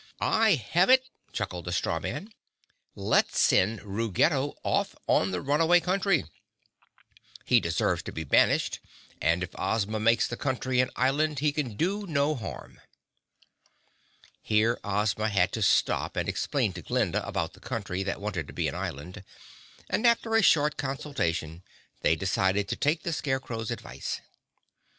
"I have it," chuckled the Straw Man. "Let's send Ruggedo off on the Runaway Country. He deserves to be banished and, if Ozma makes the Country an Island, he can do no harm." Here Ozma had to stop and explain to Glinda about the Country that wanted to be an Island, and after a short consultation they decided to take the Scarecrow's advice.